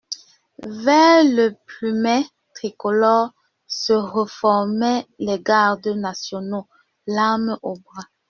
Vers le plumet tricolore se reformaient les gardes nationaux, l'arme au bras.